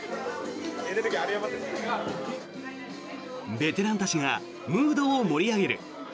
ベテランたちがムードを盛り上げる。